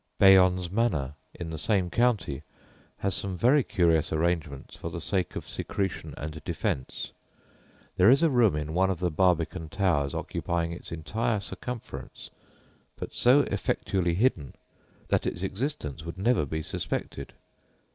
Bayons Manor, in the same county, has some very curious arrangements for the sake of secretion and defence. There is a room in one of the barbican towers occupying its entire circumference, but so effectually hidden that its existence would never be suspected.